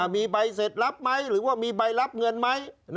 มีใบเสร็จรับไหมหรือว่ามีใบรับเงินไหม